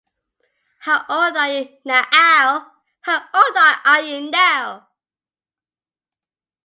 How old are you now-ow, how old are you now?